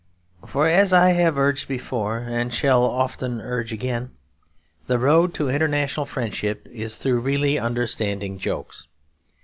For as I have urged before, and shall often urge again, the road to international friendship is through really understanding jokes.